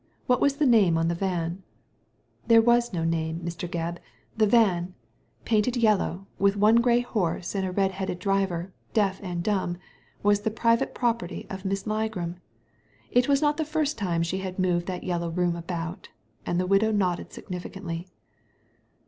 What was the name on the van ?" "There was no name, Mr. Gebb. The van~* Digitized by Google A WOMAN WITHOUT A PAST 31 painted yellow, with one grey horse and a red headed driver, deaf and dumb — was the private property of Miss Ligram. It was not the firsf time she had moved that yellow room about," and the widow nodded significantly.